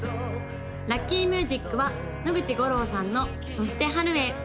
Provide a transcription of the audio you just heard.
・ラッキーミュージックは野口五郎さんの「そして春へ」